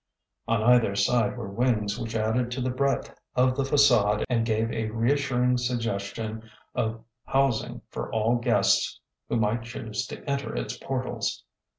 ''' On either side were wings which added to the breadth of the fagade and gave a reassuring suggestion of hous ing for all guests who might choose to enter its portals.